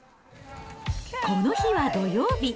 この日は土曜日。